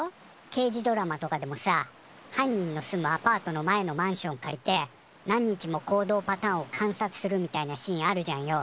けいじドラマとかでもさ犯人の住むアパートの前のマンション借りて何日も行動パターンを観察するみたいなシーンあるじゃんよ。